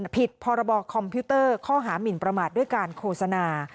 ผิดพรบคอมพิวเตอร์ข้อหามินประมาทด้วยการโฆษณา